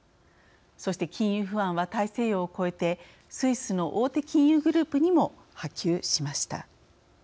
そして、金融不安は大西洋を越えてスイスの大手金融グループにも波及しました。